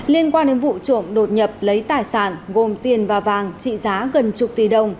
liên quan đến vụ trộm đột nhập lấy tài sản gồm tiền và vàng trị giá gần chục tỷ đồng